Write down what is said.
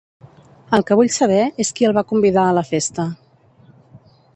El que vull saber és qui el va convidar a la festa.